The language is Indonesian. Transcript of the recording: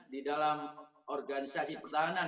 di dalam organisasi pertahanan